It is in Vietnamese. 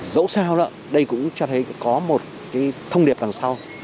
dẫu sao đây cũng cho thấy có một thông điệp đằng sau